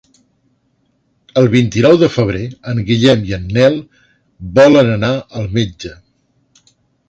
El vint-i-nou de febrer en Guillem i en Nel volen anar al metge.